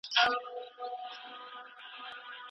منصفانه خبره د ټولني درد دوا کوي.